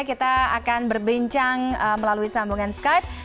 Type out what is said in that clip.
kita akan berbincang melalui sambungan skype